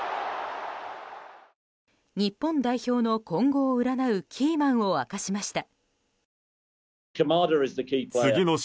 日本代表の今後を占うキーマンを明かしました。